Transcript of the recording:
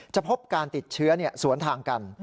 พบการติดเชื้อสวนทางกัน